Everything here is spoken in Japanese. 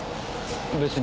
別に。